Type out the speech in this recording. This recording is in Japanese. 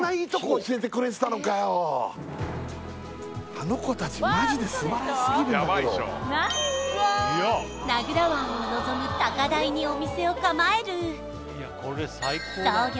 あの子たちマジで素晴らしすぎるんだけど名蔵湾をのぞむ高台にお店を構える創業